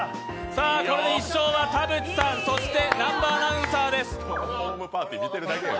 これで１勝は田渕さん、南波アナウンサーです。